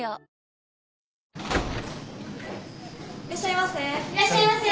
いらっしゃいませ。